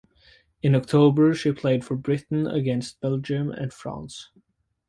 In October she played for Britain against Belgium and France.